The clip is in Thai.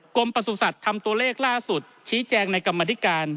ประสุทธิ์ทำตัวเลขล่าสุดชี้แจงในกรรมธิการ